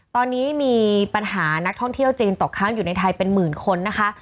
ตอนนี้มีปัญหานักท่องเที่ยวจีนตกค้างอยู่ในไทยเป็นหมื่นคนนะคะ